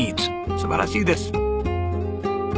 素晴らしいです。